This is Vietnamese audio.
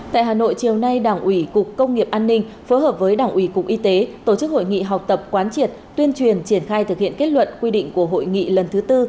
tại hà nội chiều nay đảng ủy cục công nghiệp an ninh phối hợp với đảng ủy cục y tế tổ chức hội nghị học tập quán triệt tuyên truyền triển khai thực hiện kết luận quy định của hội nghị lần thứ tư